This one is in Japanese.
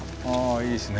いいですね。